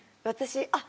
あっ！